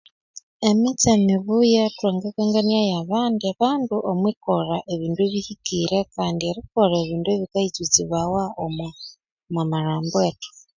Emitse mibuya thwangakanganiayo abandi bandu omwikolha ebindu ebihikire kandi omwikolha ebindu ebikaytsutsibawa omwa malhambo ethu